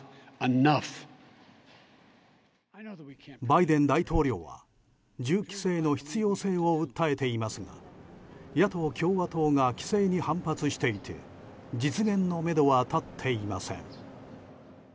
バイデン大統領は銃規制の必要性を訴えていますが野党・共和党が規制に反発していて実現のめどはたっていません。